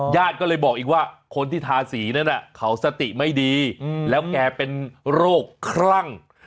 ญาติก็เลยบอกอีกว่าคนที่ทาสีนั้นเขาสติไม่ดีแล้วแกเป็นโรคคลั่ง